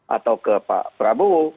atau ke pak prabowo